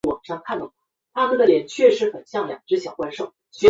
晕厥指的是大脑一时性缺血而导致短时间内丧失自主行动意识的表现。